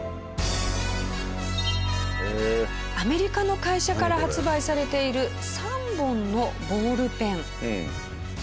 アメリカの会社から発売されている３本のボールペン。